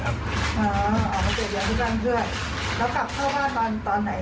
แล้วกลับเข้าบ้านตอนไหน